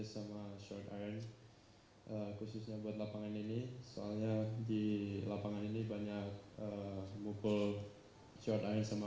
sama short irons khususnya buat lapangan ini soalnya di lapangan ini banyak buku jualan sama